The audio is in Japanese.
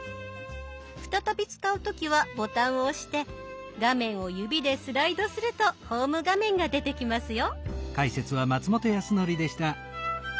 再び使う時はボタンを押して画面を指でスライドするとホーム画面が出てきますよ。